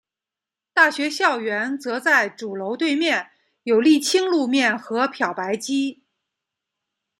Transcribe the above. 大学校园则在主楼对面有沥青路面和漂白机。